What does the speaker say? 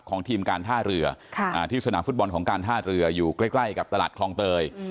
ของทีมการท่าเรือที่สนามฟุตบอลของการท่าเรืออยู่ใกล้กับตลาดคลองเตย